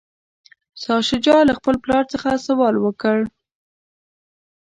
شاه شجاع له خپل پلار څخه سوال وکړ.